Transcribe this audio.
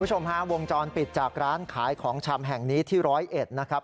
คุณผู้ชมฮะวงจรปิดจากร้านขายของชำแห่งนี้ที่ร้อยเอ็ดนะครับ